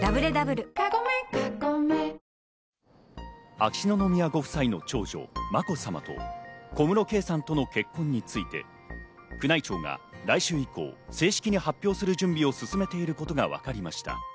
秋篠宮ご夫妻の長女・まこさまと、小室圭さんとの結婚について、宮内庁が来週以降、正式に発表する準備を進めていることがわかりました。